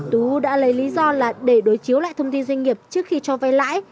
tú đã lấy lý do là để đối chiếu lại thông tin doanh nghiệp trước khi cho vay lãi